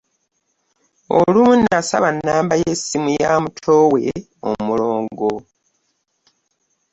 Olumu nasaba nnamba y'essimu ya muto we omulongo.